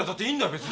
別に。